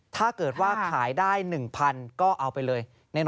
ถ้าเกิดว่าขายได้๑๐๐๐ก็เอาไปเลย